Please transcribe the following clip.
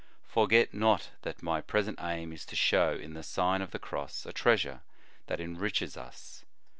Forget not that my present aim is to show in the Sign of the Cross a treasure that enriches us.